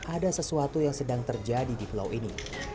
ada sesuatu yang sedang terjadi di pulau ini